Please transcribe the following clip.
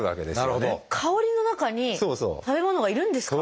香りの中に食べ物がいるんですか？